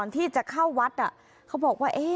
ที่จะเข้าวัดเขาบอกว่า